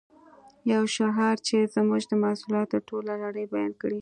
یو شعار چې زموږ د محصولاتو ټوله لړۍ بیان کړي